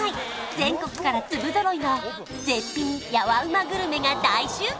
全国から粒ぞろいの絶品ヤワうまグルメが大集結